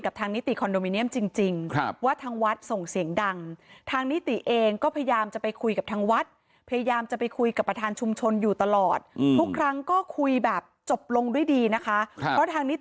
กับทางนิติคอนโดมิเนียมจริง